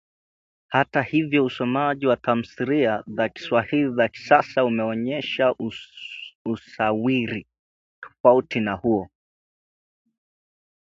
Hata hivyo, usomaji wa tamthilia za Kiswahili za kisasa umeonyesha usawiri tofauti na huo